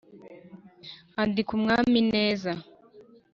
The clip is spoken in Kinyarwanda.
andika umwami neza